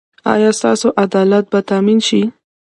ایا ستاسو عدالت به تامین شي؟